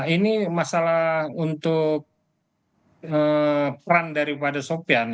ini masalah untuk peran daripada sopian